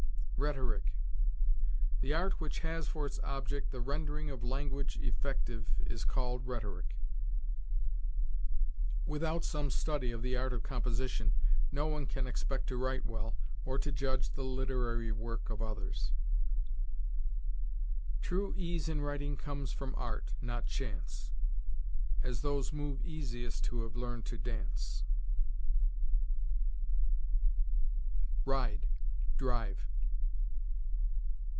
RHETORIC. The art which has for its object the rendering of language effective is called rhetoric. Without some study of the art of composition, no one can expect to write well, or to judge the literary work of others. "True ease in writing comes from art, not chance, As those move easiest who have learned to dance." RIDE DRIVE.